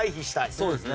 そうですね。